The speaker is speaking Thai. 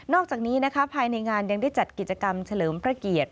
อกจากนี้นะคะภายในงานยังได้จัดกิจกรรมเฉลิมพระเกียรติ